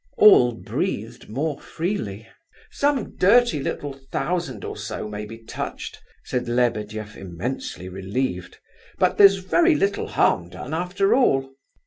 All breathed more freely. "Some dirty little thousand or so may be touched," said Lebedeff, immensely relieved, "but there's very little harm done, after all."